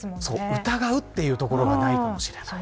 疑うというところがないかもしれない。